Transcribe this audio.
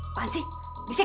apaan sih bisik